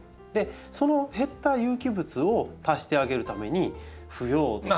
その減った有機物を足してあげるために腐葉土とか。